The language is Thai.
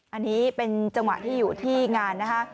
อันนี้เป็นจังหวะที่อยู่ที่งานนะคะ